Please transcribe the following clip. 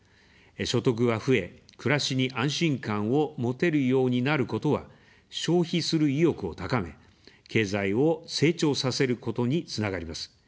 所得が増え、暮らしに安心感を持てるようになることは、消費する意欲を高め、経済を成長させることにつながります。